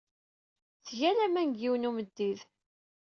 Tga laman deg yiwen n umeddid.